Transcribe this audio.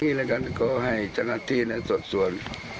นี่แหละกันก็ให้จังหาที่ส่วน